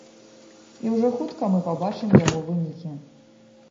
І ўжо хутка мы пабачым яго вынікі.